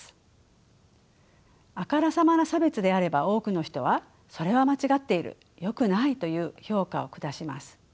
あからさまな差別であれば多くの人はそれは間違っているよくないという評価を下します。